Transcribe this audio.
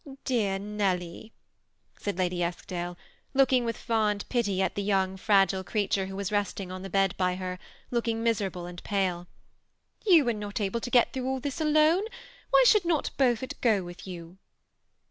" Dear Nelly," said Lady Eskdale, looking with fond pity at the young fragile creature who was resting on the bed by her, looking miserable and pale, " you are not able to get through all this alone. Why should not Beaufort go with you